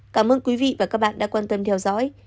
cảm ơn quý vị và các bạn đã quan tâm theo dõi